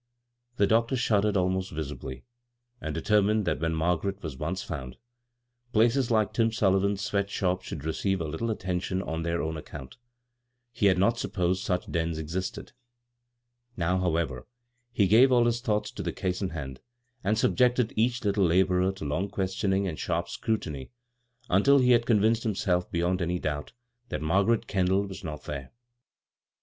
The doctor shuddered abnost vi«biy, and determined that when Margaret was once found, places like Tim Sullivan's sweat shop should receive a little attention on their own account—he had not supposed such dens existed. Now, however, he gave all his thoughts to the case in hand, and subjected each little laborer to long questioning and sharp scrutiny until he had convinced himself beyond any doubt that Margaret Kendall was not there.